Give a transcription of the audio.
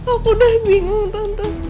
aku dah bingung tante